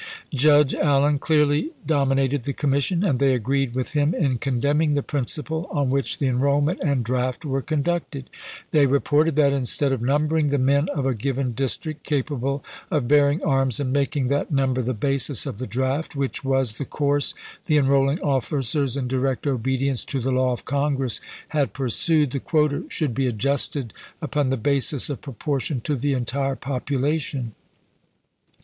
Judge Allen clearly dom inated the commission, and they agreed with him in condemning the principle on which the enrollment and draft were conducted. They re ported that, instead of numbering the men of a given district capable of bearing arms and making that number the basis of the draft, — which was the course the enrolling officers, in direct obedience to the law of Congress, had pursued, — the quota should be adjusted upon the basis of proportion to the entire population.